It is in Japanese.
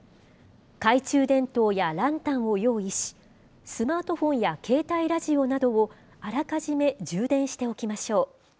懐中電灯やランタンを用意し、スマートフォンや携帯ラジオなどを、あらかじめ充電しておきましょう。